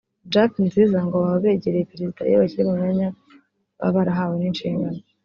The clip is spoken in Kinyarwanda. Jack Nziza ngo baba begereye Perezida iyo bakiri mu myanya baba barahawe n’inshingano